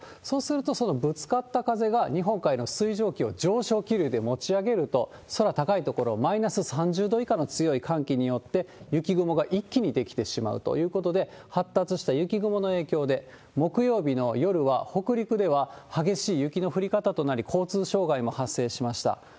そうするとそのぶつかった風が日本海の水蒸気を上昇気流で持ち上げると、空高い所マイナス３０度以下の強い寒気によって、雪雲が一気に出来てしまうということで、発達した雪雲の影響で木曜日の夜は北陸では激しい雪の降り方となり、交通障害も発生しました。